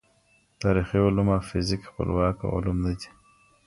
تاریخي علوم او فزیک خپلواکه علوم نه دي.